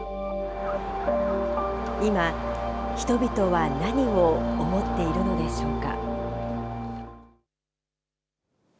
今、人々は何を思っているのでしょうか。